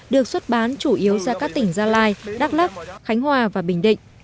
được xuất bán chủ yếu ra các tỉnh gia lai đắk lắc khánh hòa và bình định